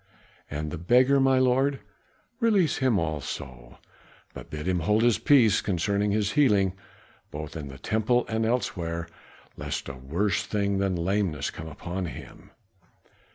"And the beggar, my lord?" "Release him also, but bid him hold his peace concerning his healing, both in the temple and elsewhere, lest a worse thing than lameness come upon him."